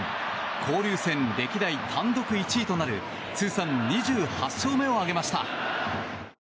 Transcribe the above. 交流戦歴代単独１位となる通算２８勝目を挙げました。